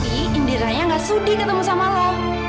indiranya gak sudi ketemu sama lo